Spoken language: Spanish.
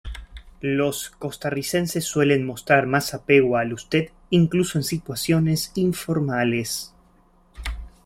Los costarricenses suelen mostrar más apego al "usted", incluso en situaciones informales.